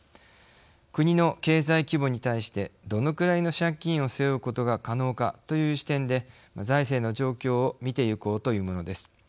国の経済規模に対してどのくらいの借金を背負うことが可能かという視点で財政の状況を見ていこうというものです。